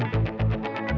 kita bisa bekerja